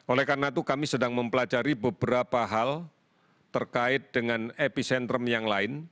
oleh karena itu kami sedang mempelajari beberapa hal terkait dengan epicentrum yang lain